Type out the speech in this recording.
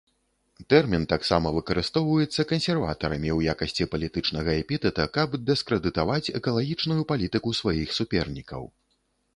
Тэрмін таксама выкарыстоўваецца кансерватарамі ў якасці палітычнага эпітэта, каб дыскрэдытаваць экалагічную палітыку сваіх супернікаў.